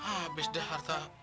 abis deh harta